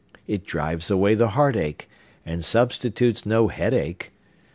It drives away the heart ache, and substitutes no head ache!